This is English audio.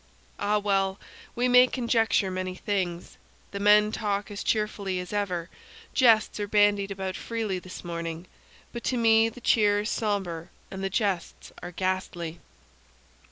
Ah, well! we may conjecture many things. The men talk as cheerfully as ever; jests are bandied about freely this morning; but to me the cheer is somber and the jests are ghastly.